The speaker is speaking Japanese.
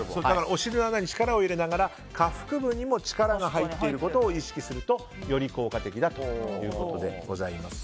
お尻の穴に力を入れながら下腹部にも力が入っていることを意識するとより効果的だということです。